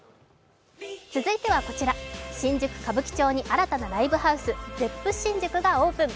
続いてはこちら、新宿・歌舞伎町に新たなライブハウスＺｅｐｐＳｈｉｎｊｕｋｕがオープン。